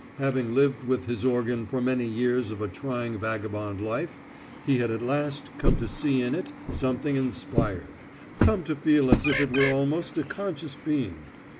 Having lived with his organ for many years of a trying vagabond life, he had at last come to see in it something inspired, come to feel as if it were almost a conscious being.